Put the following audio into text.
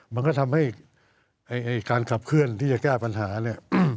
มันก็ทำให้การขับเคลื่อนที่จะแก้ปัญหาเนี่ย